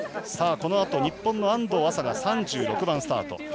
このあと日本の安藤麻が３６番スタート。